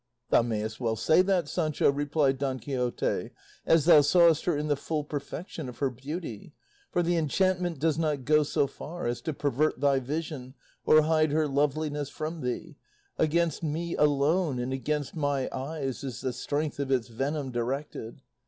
"Thou mayest well say that, Sancho," replied Don Quixote, "as thou sawest her in the full perfection of her beauty; for the enchantment does not go so far as to pervert thy vision or hide her loveliness from thee; against me alone and against my eyes is the strength of its venom directed.